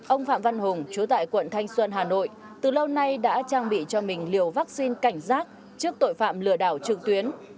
ông phạm văn hùng chú tại quận thanh xuân hà nội từ lâu nay đã trang bị cho mình liều vaccine cảnh giác trước tội phạm lừa đảo trực tuyến